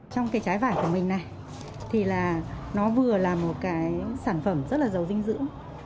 trong cái trái vải của mình này thì là nó vừa là một cái sản phẩm rất là giàu dinh dưỡng